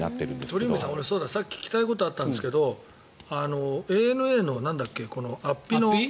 鳥海さん、さっき聞きたいことがあったんですがＡＮＡの安比の。